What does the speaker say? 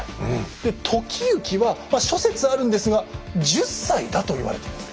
で時行はまあ諸説あるんですが１０歳だと言われています。